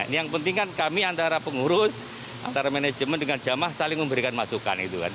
ini yang penting kan kami antara pengurus antara manajemen dengan jamah saling memberikan masukan